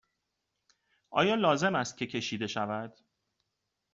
آیا لازم است که کشیده شود؟